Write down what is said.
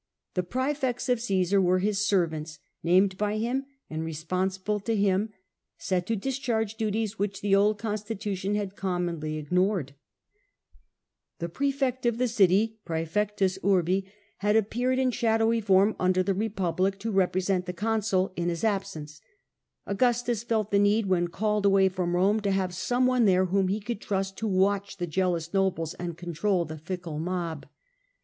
The prsefects of Caesar were his servants, named by him and responsible to him, set to discharge duties which the old constitution had commonly ignored. Praefectus prefect of the city had appeared in Urbi, shadowy form under the Republic to repre sent the consul in his absence. Augustus felt the need, when called away from Rome, to have some one there whom he could trust to watch the jealous nobles and control the fickle mob.